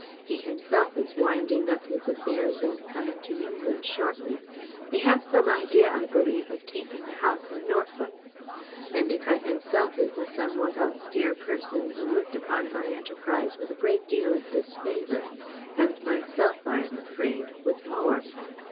He himself is winding up his affairs and coming to England shortly. They have some idea, I believe, of taking a house in Norfolk. Endacott himself is a somewhat austere person who looked upon my enterprise with a good deal of disfavour, and myself, I am afraid, with more.